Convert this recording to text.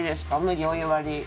麦お湯割り。